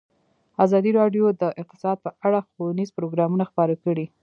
ازادي راډیو د اقتصاد په اړه ښوونیز پروګرامونه خپاره کړي.